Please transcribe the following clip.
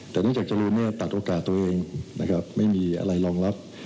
แต่เนื่องจากจะรู้เมื่อตัดโอกาสตัวเองนะครับไม่มีอะไรรองรับ